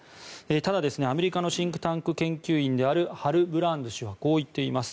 ただ、アメリカのシンクタンク研究員であるハル・ブランズ氏はこう言っています。